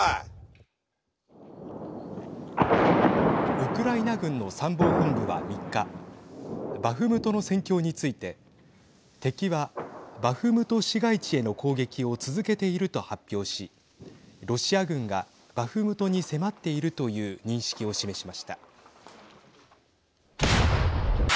ウクライナ軍の参謀本部は３日バフムトの戦況について敵はバフムト市街地への攻撃を続けていると発表しロシア軍がバフムトに迫っているという認識を示しました。